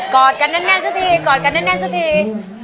อดกันแน่นสักทีกอดกันแน่นสักที